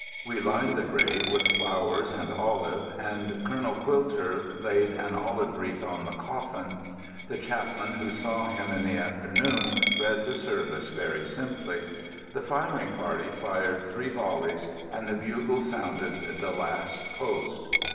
We lined the grave with flowers and olive, and Colonel Quilter laid an olive wreath on the coffin. The chaplain who saw him in the afternoon read the service very simply. The firing party fired three volleys and the bugles sounded the "Last Post."